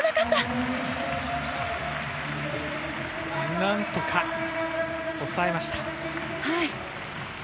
何とかおさえました。